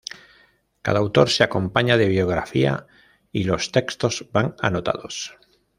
Cada autor se acompaña de biografía y los textos van anotados.